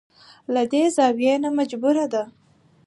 له دې زاويې نه مجبوره ده.